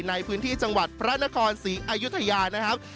ในพื้นที่จังหวัดพระนครศรีอายุทยานะครับ